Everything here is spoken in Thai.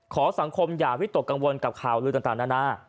สังคมอย่าวิตกกังวลกับข่าวลือต่างนานา